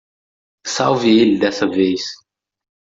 Salve ele dessa vez.